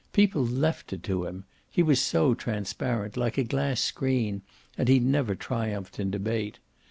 People left it to him; he was so transparent, like a glass screen, and he never triumphed in debate.